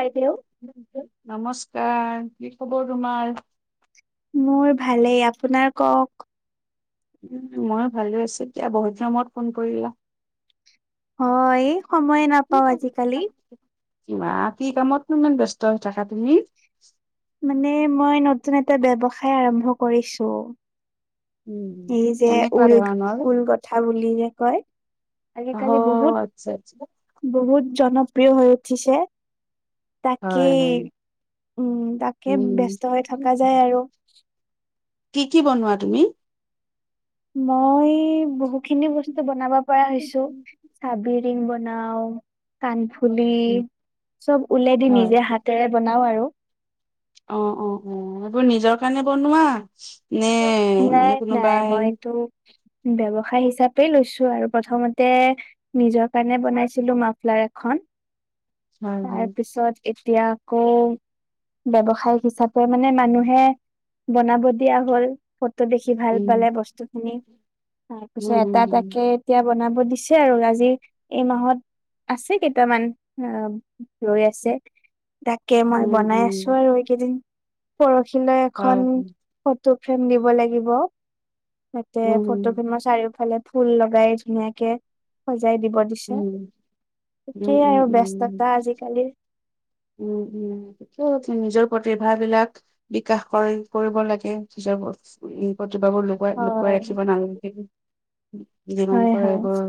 বাইদেউ। নমস্কাৰ এ কি খবৰ তোমাৰ মোৰ ভালেই আপোনাৰ কওক উ ময়ো ভালে আছো এতিয়া বহুত দিনৰ মূৰত ফোন কৰিলা হয় সময়ে নাপাও আজিকালি কিবা কি কামতনো ইমান ব্যস্ত হৈ থাকা তুমি মানে মই নতুন এটা ব্যৱসায় আৰম্ভ কৰিছো উম এই যে তেনেকুৱা ঊল ধৰণৰ ঊল কথা বুলি যে কয় অ আজিকালি বহুত আচ্ছা আচ্ছা বহুত জনপ্ৰিয় হৈ উঠিছে হয় তাকেই হয় উম তাকে উম ব্যস্ত হৈ থকা যায় আৰু কি কি বনোৱা তুমি মই বহুত ব খিনি বস্তু উম, বনাব পৰা হৈছো চাবিৰ লিং বনাও কানপ খুলি চব ঊলেদি হয় নিজে হাতেৰে বনাও আৰু অ অ অ এইবোৰ নিজৰ কাৰণে বনোৱা নে নাই মানে নাই কোনোবাই মইটো বৱ সাই হিচাপে লৈছো আৰু প্ৰথমতে নিজৰ কাৰণে বনাইছিলো মাফলাৰ এখন হয় তাৰ হয় পিছত এতিয়া আকৌ ব্যৱসায় হিচাপে মানে মানুহে বনাব দিয়া হ ফটো দেখি ভাল উম পালে বস্তু খিনি উম তাৰপিছত উম এটা উম তাকে এতিয়া বনাব দিছে আৰু আজি এই মাহত আছে কেইটামান ৰৈ আছে তাকে মই উম বনাই উম আছো আৰু এইকেইদিন পৰচ উখে এখন। হয় ফ্ৰেম দিব লাগিব ততে ফটো উম, খিন মই চাৰিওফালে ফুল লগাই ধুনীয়াকে। জাই দিব দিছে উম, উম, ই আৰু বস্ততা আজিকালিৰ। উ উতিয়া নিজৰ প্ৰতিভ বিলাক বিকাশ কৰি কৰিব লাগে নিজৰ উ জোপাবোৰ লগাই লুকুৱাই হয় ৰাখিব নালি। ধাম হয় প হয় এইবাৰ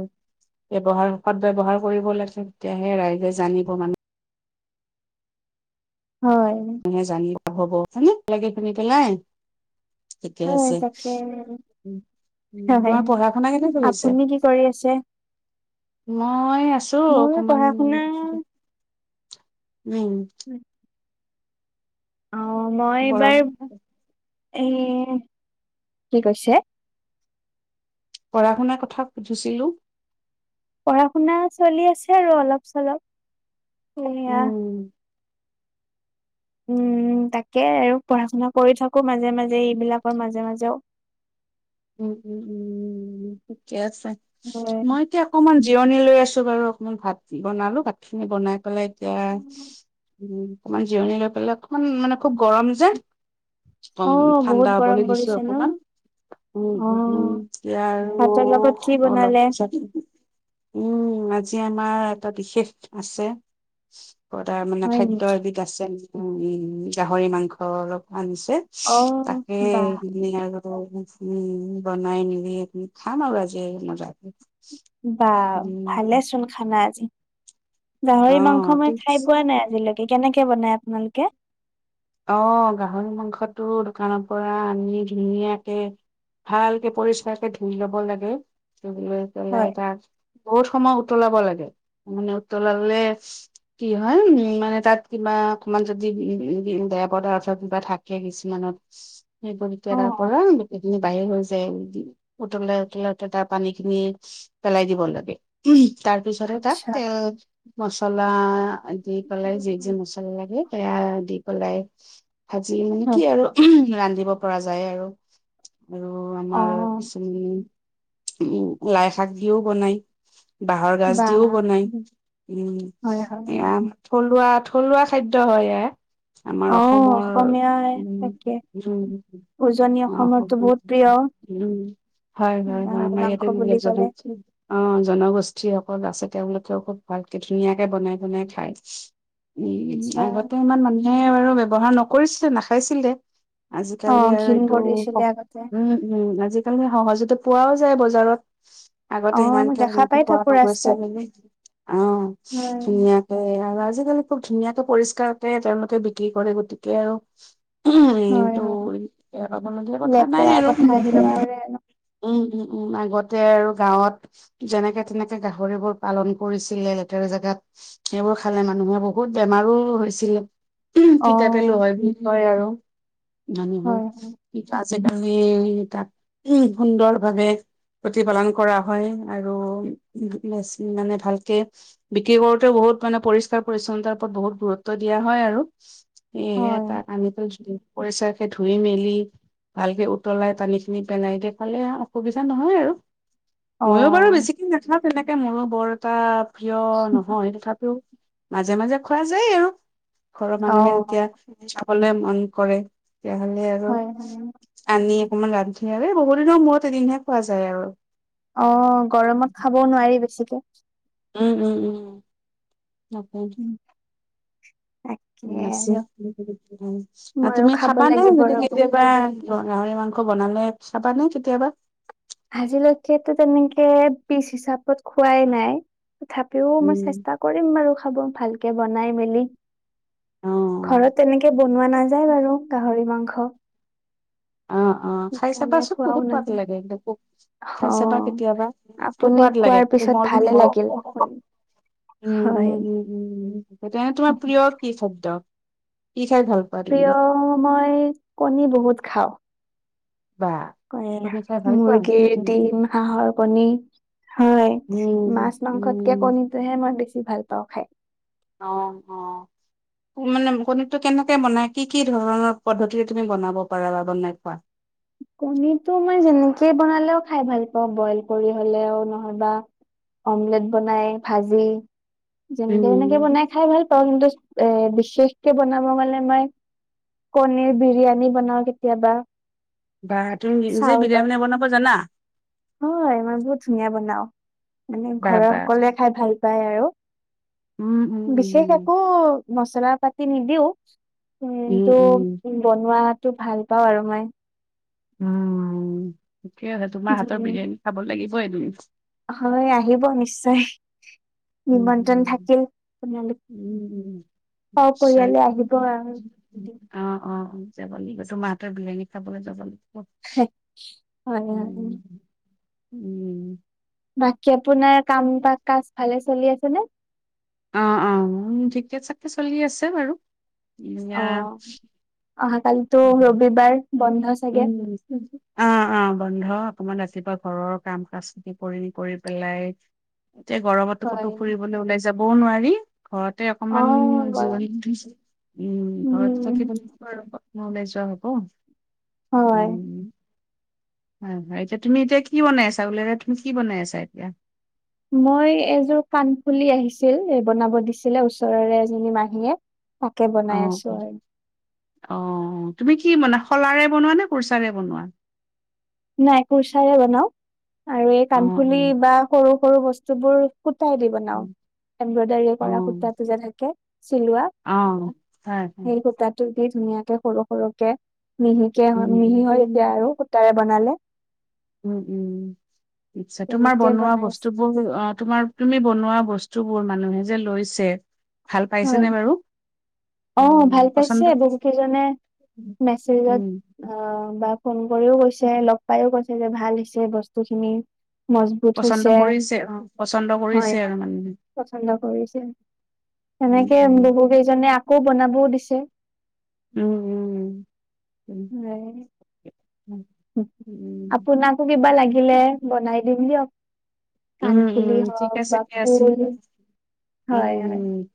ব্যৱহাৰ সদ ব্যৱহাৰ কৰিব লাগিছে তেতিয়াহে ৰাইজে জানিব মানে। হয়। মানুহে জানিব হ'ব হয়নে? লাগে এইখিনি পেলাই ঠিকে হয় আছে। তাকে উম, উম, হয়। তোমাৰ পঢ়া শুনা কেনে চলিছে? আপুনি কি কৰি আছে? মই আছো মোৰ অকনমান পঢ়া ম শুনা উম। অ মই এইবাৰ গৰম এ কি কৈছে? পঢ়া শুনা কথা সুধিছিলোঁ। পঢ়া-শুনা চলি আছে আৰু অলপ চলপ। সেয়া উম উম তাকে আৰু পঢ়া শুনা কৰি থক কো মাজে মাজে এইবিলাকৰ মাজে মাজেও উম, উম, উম ঠিকে আছে। হয় মই এতিয়া অকনমান জিৰণি লৈ আছো বাৰু অকণমান। ভাত বনালো ভাত খিনি বনাই পেলাই এতিয়া অকনমান জিৰণি লৈ পেলাই অকনমান মানে খুব গৰম যে গৰম অ বহুত ঠাণ্ডা গৰম হ'বলৈ দিছো পৰিছে ন অকনমান। উম, উম, উম অ', ৰাজমাও ভাতৰ লগত কি বনালে? অলপপিছত উম আজি আমাৰ এটা বিশেষ আছে তাৰ মানে হয় খাদ্য নেকি? এবিধ আছে। উম উম গাহৰি মাংস অলপমান আনিছো। অ', তাকেই বাহ, ধুনীয়াকৈ অ [unintelligible] উম' বনাই নিবি খাম আৰু আজি মজাত বা ভালেচোন খানা আজি। অ গাহৰি মাংস মই খাই পোৱা কিন্তু- নাই আজিলৈকে, কেনেকে কে বনাই আপোনালোকে? অ' গাহৰি মাংসটো দোকানৰ পৰা আনি ধুনীয়াকে ভালকে পৰিষ্কাৰকে ধুই লব লাগে। লৈ পেলাই হয়। তাক বহুত সময় উতলাব লাগে মানে উতলালে কি হয় উম মানে তাত কিবা অকমান যদি বেয়া পদাৰ্থ কিবা থাকে কিছুমানত, সেই পৰি কেৰাৰ অ', পৰা [unintelligible] বাহিৰ হৈ যায় উতলাই-উতলাই উতে তাৰ পানী খিনি পেলাই দিব লাগে তাৰ পিছতহে তাত আচ্ছা। তেল মছলা, দি পেলাই যি-যি মছলা লাগে সেয়া দি, পেলাই [inaudible] ভাজি হয়, কি আৰু ৰান্ধি দিব পৰা যায় আৰু, আৰু আমাৰ অ', কিছুমান উ' লাই শাক দিও বনাই। বাঁহৰ গাজ দিও বাহ বনাই। উম' হয়, হয়। সেয়া থলুৱাত, থলুৱা খাদ্য হয় এয়ে। আমাৰ অ', অসম অসমৰ অসমীয়াই উ তাকে অসম উজনি অসমৰতো বহুত প্ৰিয়। হয় গাহৰি আমাৰ মাংস ইয়াতে বুলি জন ক'লে, অ জনগোষ্ঠী [unintelligible] তাৰ পিছত আৰু বোলে খুব ভালকে ধুনীয়াকে বনাই-বনাই খায়। উম', আচ্ছা আগতে ইমান মানুহে [unintelligible] ব্যৱহাৰ নকৰিছিলে নাখাইছিলে। আজিকালি অ', ঘিণ আৰু টো কৰিছিলে আগতে। উম-উম আজি তেনেই সহজতে পোৱাও যায় বজাৰত। আগতে অ', মই ইমানকে দেখা পাই খোৱা থাকো ৰাস্তাত, নগৈছিলনে অ হয়, ধুনীয়াকে আৰু আজিকালি খুব ধুনীয়াকে পৰিস্কাৰক তেওঁলোকে বিক্ৰী কৰে গো গতিকে আৰু হয়, হয়। [inaudible] কথা নাই লেতেৰাৰ আৰু কথা আহি নপৰে ন। উম উম-উম আগতে আৰু গাঁৱত যেনেকে তেনেকে গাহৰিবোৰ পালন কৰিছিলে। লেতেৰা জেগাত সেইবোৰ খালে মানুহে বহুত বেমাৰো হৈছিলে। অ। ফিতা পেলু হয় বুলি কয় আৰু হয়, হয়। মানুহৰ। তাক সুন্দৰ ভাৱে প্ৰতিপালন কৰা হয় আৰু মানে ভালকে বিক্ৰী কৰোতেও বহুত মানে পৰিষ্কাৰ পৰিচ্ছন্নতাৰ ওপৰত বহুত গুৰুত্ব দিয়া হয় আৰু। সেয়েহে হয়, এটা আমি টো পৰিছে। ধুই মেলি ভালকে উতলাই পানী খিনি পেলাই দে খালে অসুবিধা নহয় আৰু। ময়ো বাৰু অ', বেছিকিন নাখাওঁ। তেনেকে মোৰো বৰ এটা প্ৰিয় নহয় তথাপিও। মাজে মাজে খোৱা যায় আৰু। ঘৰ মানুহে। তেতিয়া অ', যাওঁ। হলে মন কৰে। তেতিয়াহলে আৰু হয়, হয়। আনি। অকমান ৰান্ধি আৰু বহুদিনৰ মূৰত এদিনহে খোৱা যায় আৰু। অ গৰমত খাবও নোৱাৰি বেছিকে। [unintelligible] উম, উম, উম উ। নকওঁ। উম, তাকে আৰু ময়ো তুমি খাব খাবানে লাগিব যদি ৰ'ব। কেতিয়াবা গাহৰি মাংস বনালে। চাবানে কেতিয়াবা? আজিলৈকেতো তেনেকে পিচ হিচাপত খোৱাই নাই। তথাপিও মই উম চেষ্টা কৰিম বাৰু খাব। ভালকে বনাই মেলি। অ। ঘৰত তেনেকে বনোৱা নাযায় বাৰু গাহৰি মাংস। অ'হ। অ অ খাই চাবা চোন খোৱাও বহুত সোৱাদ নাযায়। লাগে। একদম খাই চাবা অ', কেতিয়াবা বহুত আপুনি সোৱাদ লাগে কোৱাৰ পিছত কোমল ভালে বিমল লাগিল শুনি। উম হয়। উম উম উম উ সেইে তোমাৰ প্ৰিয় কি খাদ্য। কি খাই ভাল পোৱা তুমি প্ৰিয় মই কণী বহুত খাওঁ। বা? কণী খাই ভাল পোৱা? মুৰ্গীৰ উম ডিম হাঁহৰ কণী। হয় উম মাছ মাংসতকে উম কণীটোহে মই বেছি। ভাল পাওঁ খাই। অ অ মানে কণীটো কেনেকে বনাই। কি কি ধৰণৰ পদ্ধতিৰে তুমি বনাব পাৰা। বা বনাই খোৱা। কণীটো মই যেনেকেই বনালেও খাই ভাল পাওঁ। বইল কৰি হলেও নহবা অমলেট বনাই ভাজি। যেনেকে তেনেকে উম, বনাই খাই ভাল পাওঁ কিন্তু এ বিশেষকে বনাব মানে মই কনীৰ বিৰিয়ানী বনাও কেতিয়াবা। বা তুমি নিজে চাউলত, বিৰিয়ানী বনাব জানা? হয় মই বহুত ধুনীয়া বনাও মানে বা ঘৰৰ বা। সকলোৱে খাই ভাল পায় আৰু উম উম বিশেষ উম একো মচ, মচলা পাতি নিদিও। উম, উম ত', উম বনোৱাত টো ভাল পাওঁ আৰু মই। উম- উম ঠিকে আছে। তোমাৰ হাতৰ উম, বিৰিয়ানী খাব লাগিব। [unintelligible] হয় আহিব নিশ্চয়। [unintelligible] নিমন্ত্ৰণ থাকিল আপোনালোক সপৰিয়ালে আহিব আৰু। যাব লাগিব তোমাৰ হাতৰ বিৰিয়ানী খাবলৈ যাব লাগিব। হয় -হয় - হয়। উম। উম, বাকী আপোনাৰ কাম বা কাজ ভালে চলি আছে? কেনে, অ ', অ ', ঠিকে- চাকে চলি আছে বাৰু। অ য়া। অহাকালিতো ৰবিবাৰ বন্ধ চাগে অ- অ বন্ধ। অকমান ৰাতিপুৱা ঘৰৰ কাম কাজ খিনি কৰি কৰি পেলাই, এতিয়া গৰমতো কতো হয়। ফুৰিবলৈ ওলাই, যাবও নোৱাৰি। ঘৰতে অ অকমান গৰম জীৱন ধুইছোঁ উম', ঘৰতে উম থাকিব লাগিব আৰু নলেজোৱা হকো। হয় উম, হয় -হয় এতিয়া তুমি, এতিয়া কি বনাই আছা বোলে কলে তুমি কি বনাই আছা এতিয়া? মই এযোৰ কাণফুলি আহিছিল এ, বনাব দিছিলে ওচৰৰে এজনী মাহীয়ে। তাকে বনাই আছো অ', আৰু। অ ', তুমি কি মানে শলাৰে বনোৱা নে কৰ্চাৰে বনোৱা? নাই কৰ্চাৰে বনাও। আৰু এই অ', কাণফুলি অ', বা সৰু -সৰু বস্তু বোৰ, সূতাই দি বনাও। এম্ব্ৰইডাৰী কৰা অ', সূতাটো যে থাকে। চিলোৱা অ', হয়, হয়, সেই সূতাটো। এই ধুনীয়াকে সৰু - সৰুকে। মিহিকে হয় উম, মিহি হয় উম, এতিয়া আৰু সূতাৰে, বনালে উম উম আচ্ছা তোমাৰ তেনেকে বনোৱা বনাইছে বস্তু বোৰ অ তোমাৰ তুমি বনোৱা বস্তু বস্তু বোৰ মানুহে যে লৈছে ভাল হয় পাইছেনে বাৰু অ' উম ভাল পাইছে পচন্দ বহু কেইজনে মেছেজ উম বা ফোন কৰিও কৈছে, লগ পাইও কৈছে যে ভাল হৈছে বস্তু খিনি। মজবুত পচন্দ হৈছে। কৰিছে অ পচন্দ হয়, কৰিছে আৰু হয় মানুহে পচন্দ কৰিছে। উম সেনেকে উম বহু কেইজনে আক কৌ বনাবও দিছে। উম, উম। [inaudible] উম আপোনাাক কিবা লাগিলে উম বনাই দিম দিয়ক। উম কাণফুলি উম ঠিক হওক আছে বা ঠিকে আছে ফুল হয় হয়। উম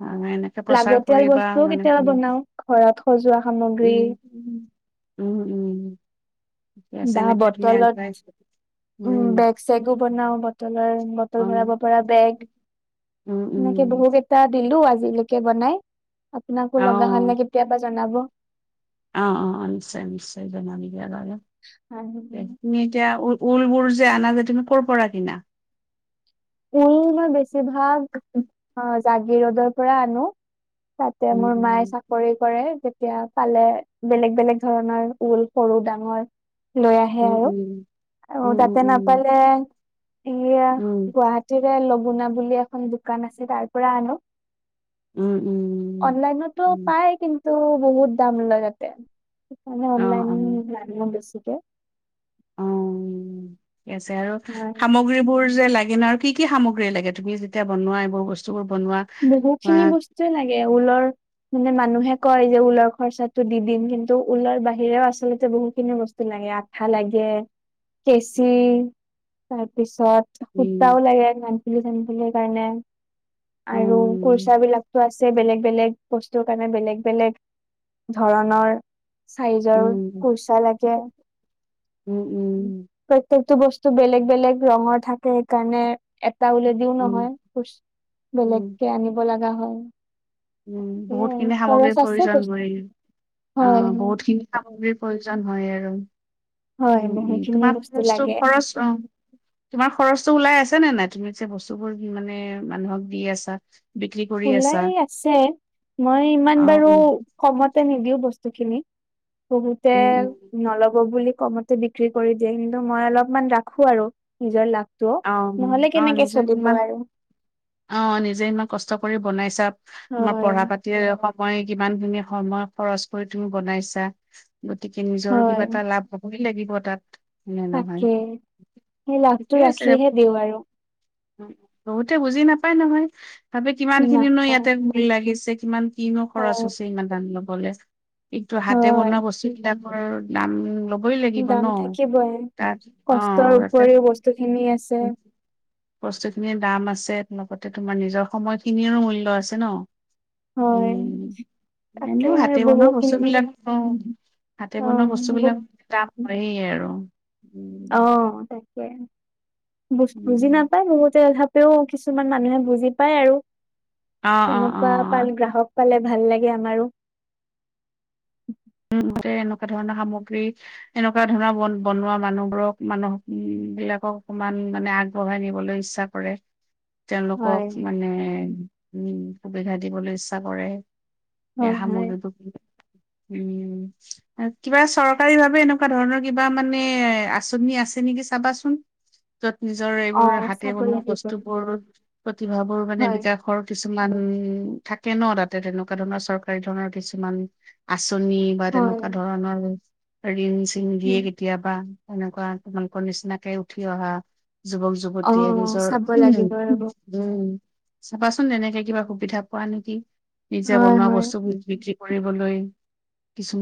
অ, এনেকে প্ৰচাৰ লাগতিয়াল কৰিবা বস্তুও মানে কেতিয়াবা উম বনাও ঘৰত সজোৱা সামগ্ৰী। উম উম উম। ঠিকে আছে বা এনেকে তুমি বটলত আগুৱাই উ উম বেগ চেগো বনাও। বটলৰে বটল অ ভৰাব পৰা বেগ উম এনেকে উম বহু কেইটা দিলো আজি। জিলৈকে বনাই আপোনাকো লগা অ হলে কেতিয়াবা জনাব। অ' অ' অ' নিশ্চয় নিশ্চয় জনাম। লাগা আৰু হলে, তুমি এতিয়া উলবুল যে আনা যে তুমি কৰ পৰা কিনা? ই মই বেছিভাগ অ' জাগীৰোডৰ পৰা আনো। তাতে মোৰ মায়ে উম, চাকৰি কৰে। এতিয়া পালে বেলেগ বেলেগ ধৰণৰ ঊল সৰু ডাঙৰ। লৈ আহে উম, আৰু উম, আৰু উম, উম, তাতে উম, নাপালে এইয়া গুৱাহাটীৰে লবুনা বুলি আছে। এখন দোকান আছে তাৰ পৰা আনো। উম, উম, উম। অনলাইনতো উম, পায় কিন্তু তাটো বহুত দাম লয় তাতে। সেয়ে অ', অ', অনলাইনত নানো বেছি। কেতিয়া [inaudible] আছে আৰু হয় সামগ্ৰীবোৰ যে লাগে [unintelligible] আৰু কি কি সামগ্ৰী লাগে তুমি যেতিয়া বনোৱা এইোৰ বস্তুবোৰ? বনোৱা বহু বা খিনি বস্তুৱে লাগে ঊলৰ মানে মানুহে কয় যে ঊলৰ খৰচাটো দি দিম কিন্তু ঊলৰ বাহিৰেও আচলতে বহু খিনি বস্তু লাগে আঠা লাগে কেচি তাৰপিছ পিছত উম, সূতাও লাগে নানফুলি থানফুলি কাৰণে আৰু উম, কুৰ্চা বিলাকতো আছে বেলেগ বেলেগ বস্তুৰ কাৰণে বেলেগ বেলেগ ধৰণৰ চাৰিজৰ উম, কুৰ্চা লাগে, উম, প্ৰত্যেক বস্তু বেলেগ বেলেগ ৰঙৰ থাকে সেইকাৰণে। উম, উম, [unintelligible] বেলেগকে আনিব। লগা হয়। উ বহুত সেয়াই আৰু খিনি খৰচ সামগ্ৰীৰ আছে প্ৰয়োজন বস্তু ব অ হয় হয় বহুত খিনি সামগ্ৰীৰ প্ৰয়োজন হয় আৰু। হয় উম্ উম বহুতখিনি তোমাৰ বস্তু খৰচটো লাগে খৰচ অ' তোমাৰ খৰচটো ওলাই আছে। ছে নে নাই তুমি যে বস্তু বোৰ মানে মানুহক দি আছা। বিক্ৰী কৰি ওলাই আছা। [unintelligible] মই ইমান অ বাৰু উম কমতে নিদিও বস্তু। যিখিনি বহুতে উম উম, নলব বুলি। কমতে বিক্ৰী কৰি দিয়ে কিন্তু মই অলপমান ৰাখো আৰু নিজৰ লাভ। তো অ উম, নহ'লে অ কেনেকে নিজে চলিব ইমান আৰু। অ' নিজে ইমান কষ্ট কৰি বনাইছা। আমাৰ হয় পঢ়া পাতিৰে। মই কিমান দিনে সময় খৰচ কৰি তুমি বনাইছা। গতিকে নিজৰো হয় কিবা এটা লাভ হ'ব। লাগিব তাত। হয়নে নহয় তাকে, সেই ঠিকে লাভটো আছে দে। ৰাখিহে দিওঁ আৰু বহুতে বুজ। [unintelligible] নাপায় নহয়। ভাবে কিমান খিনিনো নাপায় ইয়াতে ভুল লাগিছে। [unintelligible] কিনো খৰচ হয় আছে ইমান [unintelligible] কলেজ। কিন্তু হাতে হয়, বনোৱা বস্তুবিলাক। [unintelligible] দাম [unintelligible] ন দাম থাকিবই তাত অ কষ্টৰ তাতে উপৰিও বস্তু খিনি আছে। বস্তুখিনিৰ দাম আছে লগতে তোমাৰ নিজৰ সময়খিনিৰো মূল্য আছে ন। হয় উ তাকে এনেও হাতে বনৰোৱা বস্তু বহুখিনি বিলাক হাতে অ বন বস্তু বিলাক বহু- দাম। স আৰু আৰু অ' তাকে। বুজি উম নাপায় বহুতে কিছুমান মানুহে বুজি পায় আৰু অ অ অ তেনেকুৱা পাল গ্ৰাহক পালে ভাল লাগে আমাৰো। তে এনেকুৱা ধৰণৰ সামগ্ৰী এনেকুৱা ধৰণৰ বন বনোৱা মানুহবোৰক মানুহ বিলাকক অকমান মানে আগবঢ়াই নিবলৈ ইচ্ছা কৰে। হয় তেওঁলোকক মানে উম সুবিধা দিবলৈ ইচ্ছা কৰে। হয় হয় [unintelligible] উ কিবা চৰকাৰী ভাৱে এনেকুৱা ধৰণৰ কিবা মানে আঁচনি আছে নেকি চাবাচোন। য'ত নিজৰ অ এইবোৰ হাতে চাব বনোৱা লাগিব বস্তুবোৰ প্ৰতিভাবোৰ মানে হয় বিকাশৰ কিছু কিছুমান থাকে ন তাতে তেনেকুৱা ধৰণৰ চৰকাৰী ধৰণৰ কিছুমান আছ চনী বা হয় তেনেকুৱা ধৰণৰ আৰু আৰু [unintelligible] চিঙ দিয়ে উম, কেতিয়াবা তেনেকুৱা তোমালোকৰ নিচিনাকে উঠি অহা যুৱক অ যুৱতীয়েীয়ে নিজৰ চাব লাগিব ৰব উম চাবাচোন তেনেকে কিবা সুবিধা পোৱা নেকি নিজে হয় বনোৱা হয় বস্তু বিক্ৰী ফুৰিবলৈ কিছুমান